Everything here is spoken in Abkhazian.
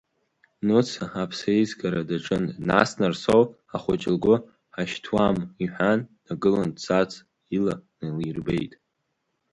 Нуца аԥсеизгара даҿын, нас Нарсоу ахәыҷ лгәы ҳашьҭуама иҳәан, днагылан дцарц ила налирбеит.